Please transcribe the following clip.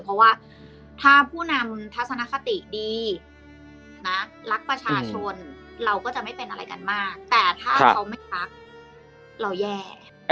เพราะว่าถ้าผู้นำทัศนคติดีนะรักประชาชนเราก็จะไม่เป็นอะไรกันมากแต่ถ้าเขาไม่พักเราแย่